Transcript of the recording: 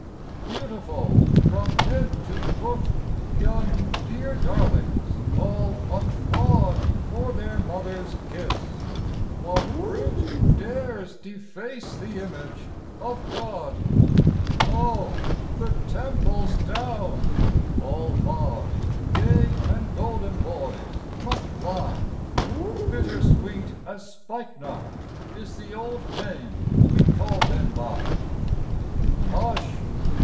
Beautiful from head to foot, Young, dear darlings all unflawed For their mother's kiss. What brute Dares deface the image of God ? 30 FLOWER OF YOUTH Oh, the Temple's down ! all marred Gay and golden boys must lie : Bitter sweet as spikenard Is the old name we called them by. Hush